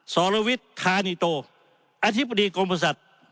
สรวิทธานิโตอธิบดีกรมบริษัท